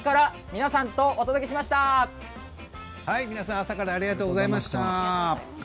皆さん、朝からありがとうございました。